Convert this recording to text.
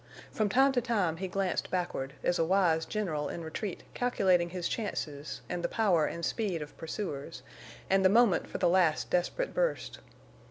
From time to time he glanced backward, as a wise general in retreat calculating his chances and the power and speed of pursuers, and the moment for the last desperate burst.